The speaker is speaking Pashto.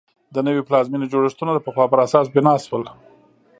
د نوې پلازمېنې جوړښتونه د پخوا پر اساس بنا شول.